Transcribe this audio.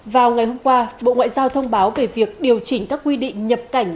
vào ngày hôm qua bộ ngoại giao thông báo về việc điều chỉnh các quy định nhập cảnh